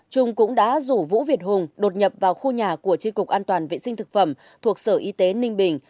trung cũng đã rủ vũ việt hùng đột nhập vào khu nhà của tri cục an toàn vệ sinh thực phẩm thuộc sở y tế ninh bình